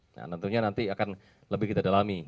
nah tentunya nanti akan lebih kita dalami